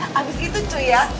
eh abis itu cuy ya